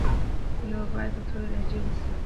نو بايد ټولي لهجې وڅېړي،